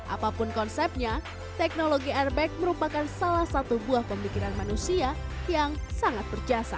apapun konsepnya teknologi airbag merupakan salah satu buah pemikiran manusia yang sangat berjasa